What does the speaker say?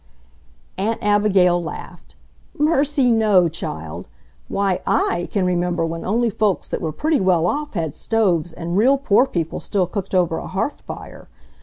Aunt Abigail laughed. "Mercy, no, child! Why, I can remember when only folks that were pretty well off had stoves and real poor people still cooked over a hearth fire.